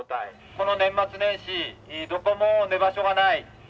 この年末年始どこも寝場所がない。